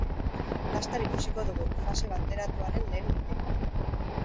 Laster ikusiko dugu, fase bateratuaren lehen bileran.